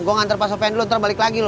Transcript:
gue nganter pasokan lu ntar balik lagi lu